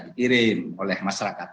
dikirim oleh masyarakat